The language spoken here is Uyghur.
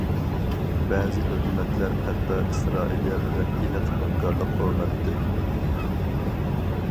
بەزى ھۆكۈمەتلەر ھەتتا ئىسرائىلىيە بىلەن ئېنىق ھەمكارلىق ئورناتتى.